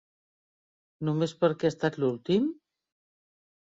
Només perquè ha estat l'últim?